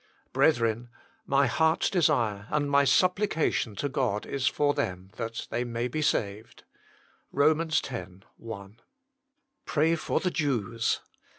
Brethren, my heart s desire and my supplication to God is for them, that they may be saved." ROM. x. 1. Pray for the Jews.